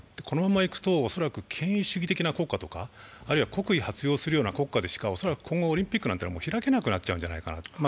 このままいくと、恐らく権威主義的な国家とか、あるいは国威発揚するような国家でしか、今後オリンピックは開けなくなっちゃうんじゃないかなと。